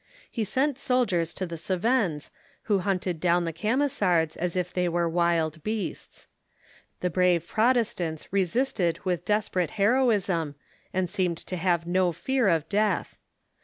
He sent soldiers to the Cevennes, who hunted down the Camisards as if they were wild beasts. The brave Prot estants resisted with desperate heroism, and seemed to have no fear of death.